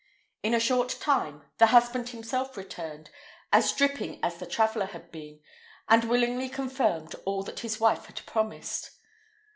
In a short time the husband himself returned, as dripping as the traveller had been, and willingly confirmed all that his wife had promised.